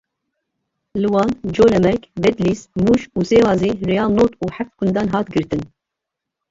Li Wan, Colemêrg, Bedlîs, Mûş û Sêwazê rêya nod û heft gundan hat girtin.